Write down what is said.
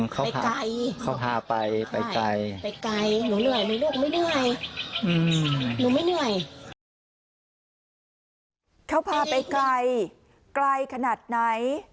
เขาพาไปไกลไกลขนาดไหน